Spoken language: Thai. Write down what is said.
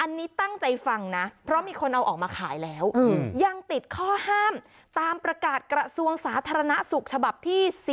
อันนี้ตั้งใจฟังนะเพราะมีคนเอาออกมาขายแล้วยังติดข้อห้ามตามประกาศกระทรวงสาธารณสุขฉบับที่๔